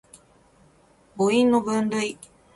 母音の分類